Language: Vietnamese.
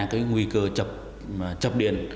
cái nguy cơ chập điện